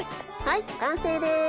はい完成です。